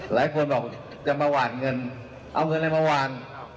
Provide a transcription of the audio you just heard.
หลายคนบอกจะมาหวานเงินเอาเงินอะไรมาหวาน